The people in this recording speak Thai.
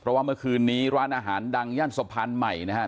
เพราะว่าเมื่อคืนนี้ร้านอาหารดังย่านสะพานใหม่นะครับ